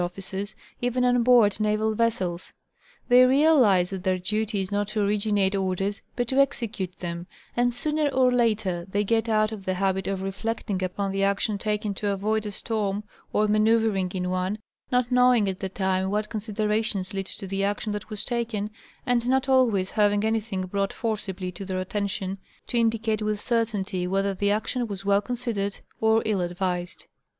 201 officers, even on board naval vessels : they realize that their duty is not to originate orders but to execute them, and sooner or later they get out of the habit of reflecting upon the action taken to avoid a storm or manoeuver in one, not knowing at the time what considerations lead to the action that was taken, and not always having anything brought forcibly to their attention to indicate with certainty whether the action was well considered or ill ad vised.